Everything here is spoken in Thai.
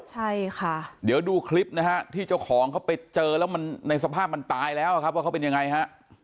ใช่ค่ะเดี๋ยวดูคลิปนะฮะที่เจ้าของเขาไปเจอแล้วมันในสภาพมันตายแล้วครับว่าเขาเป็นยังไงฮะ